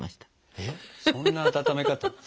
えっそんな温め方。